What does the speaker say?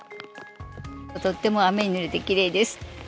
とっても雨にぬれてきれいです。